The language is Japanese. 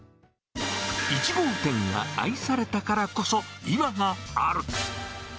１号店が愛されたからこそ、今がある。